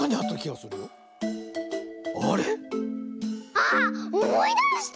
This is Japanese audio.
あっおもいだした！